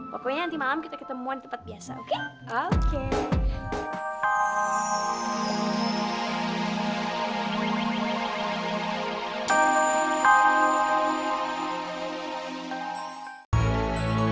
pokoknya nanti malam kita ketemuan di tempat biasa oke